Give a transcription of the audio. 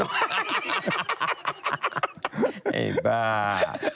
ไอ้บ้า